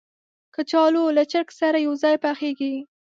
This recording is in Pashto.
کچالو له چرګ سره یو ځای پخېږي